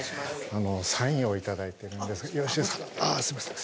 サインを頂いてるんですがよろしいですか？